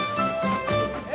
え